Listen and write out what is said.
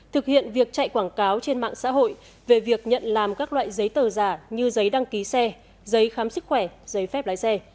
thực hiện việc chạy quảng cáo trên mạng xã hội về việc nhận làm các loại giấy tờ giả như giấy đăng ký xe giấy khám sức khỏe giấy phép lái xe